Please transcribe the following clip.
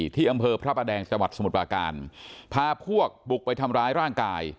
ที่อำเภอพระประแดงจังหวัดสมุทรปราการพาพวกบุกไปทำร้ายร่างกาย